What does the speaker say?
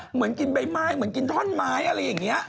เหมือนกินใบไม้เหมือนกินท่อนไม้อะไรอย่างนี้